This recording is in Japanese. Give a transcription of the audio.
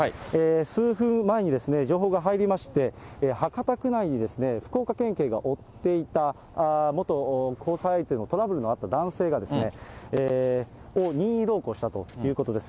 数分前に情報が入りまして、博多区内に福岡県警が追っていた元交際相手のトラブルのあった男性を任意同行したということです。